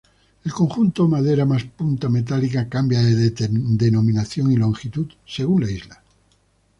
El conjunto madera más punta metálica cambia de denominación y longitud según la isla.